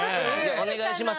お願いします。